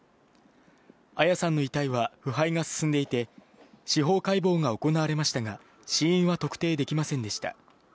彩さんの遺体は腐敗が進んでいて、司法解剖が行われましたが、死因は特定できませんでした。